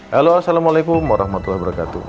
halo assalamualaikum wr wb